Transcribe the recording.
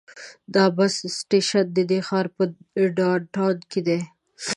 دا بس سټیشن د دې ښار په ډاون ټاون کې دی.